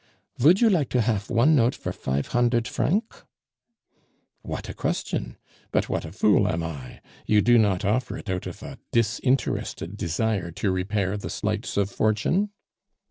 "Vould you like to haf one note for fife hundert franc?" "What a question! But what a fool I am! You do not offer it out of a disinterested desire to repair the slights of Fortune?"